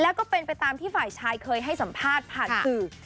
แล้วก็เป็นไปตามที่ฝ่ายชายเคยให้สัมภาษณ์ผ่านสื่อ